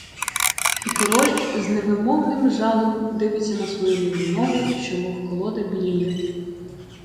І король з невимовним жалем дивиться на свою ліву ногу, що мов колода біліє.